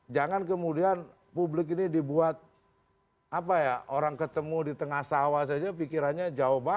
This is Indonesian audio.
jangan kemudian publik ini dibuat apa ya orang ketemu di tengah sawah saja pikirannya jauh banget